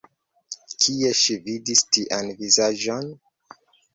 Kie ŝi vidis tian vizaĝon?